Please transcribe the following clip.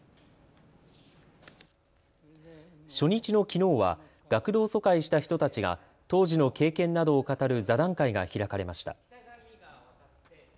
初日のきのうは学童疎開した人たちが当時の経験などを語る座談会が開かれました。